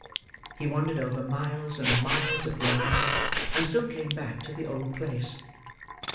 He wandered over miles and miles of ground, and still came back to the old place.